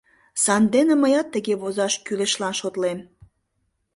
Сандене мыят тыге возаш кӱлешлан шотлем.